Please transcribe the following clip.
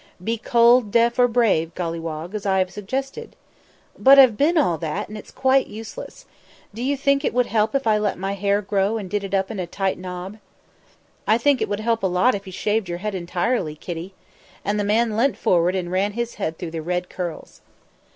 "Be cold, deaf or brave, Golliwog, as I have suggested." "But I've been all that, and it's quite useless. Do you think it would help if I let my hair grow and did it up in a tight knob?" "I think it would help a lot if you shaved your head entirely, kiddie." And the man leant forward and ran his hand through the red curls.